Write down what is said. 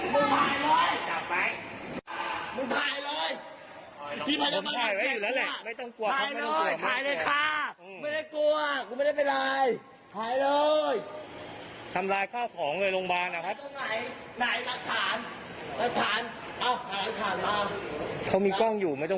สงสารเพื่อนผู้หญิงที่มาด้วย